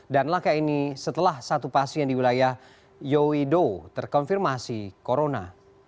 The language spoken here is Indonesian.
dan langkah ini setelah satu pasien di wilayah yeouido terkonfirmasi corona